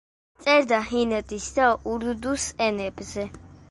წერდა ჰინდის და ურდუს ენებზე.